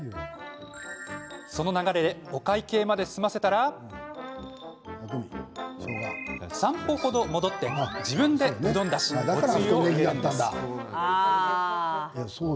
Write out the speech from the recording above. その流れでお会計まで済ませたら３歩程、戻って自分でうどんだし、おつゆを入れるんです。